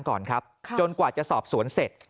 ก่อนครับจนกว่าจะสอบสวนเสร็จ